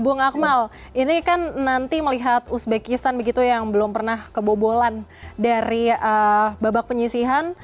bung akmal ini kan nanti melihat uzbekistan begitu yang belum pernah kebobolan dari babak penyisihan